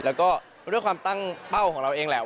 แล้วก็ด้วยความตั้งเป้าของเราเองแหละ